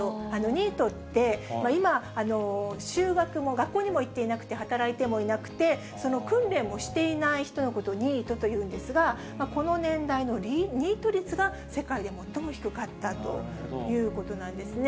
ニートって、今、就学も、学校にも行っていなくて、働いてもいなくて、訓練もしていない人のことをニートというんですが、この年代のニート率が、世界で最も低かったということなんですね。